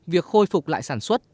việc khôi phục lại sản xuất